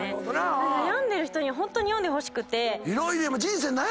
悩んでる人にホントに読んでほしくて。